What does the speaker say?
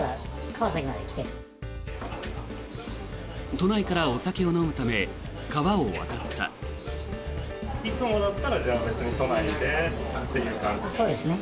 都内からお酒を飲むため川を渡った。